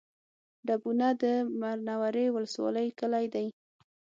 ډبونه د منورې ولسوالۍ کلی دی